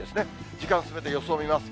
時間進めて、予想見ます。